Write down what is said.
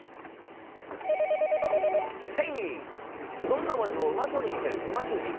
どんな文字もうまそうに見せる美味しゅう字！